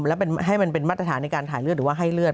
แล้วให้มันเป็นมาตรฐานในการถ่ายเลือดหรือว่าให้เลือด